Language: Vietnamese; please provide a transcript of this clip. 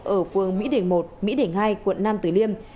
ở phường mỹ đỉnh một mỹ đỉnh hai quận nam tử liêm